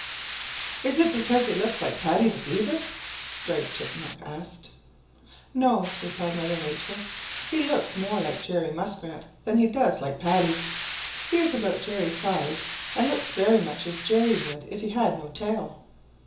"Is it because he looks like Paddy the Beaver?" Striped Chipmunk asked. "No," replied Old Mother Nature. "He looks more like Jerry Muskrat than he does like Paddy. He is about Jerry's size and looks very much as Jerry would if he had no tail."